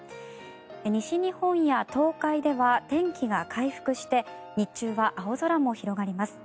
西日本や東海では天気が回復して日中は青空も広がります。